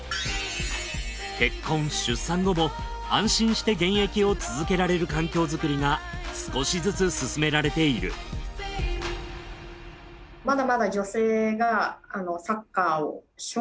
結婚・出産後も安心して現役を続けられる環境作りが少しずつ進められているというふうに思ってます。